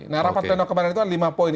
nah rapat pleno kemarin itu kan lima poin